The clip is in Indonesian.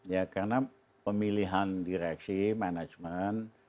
ya karena pemilihan direksi manajemen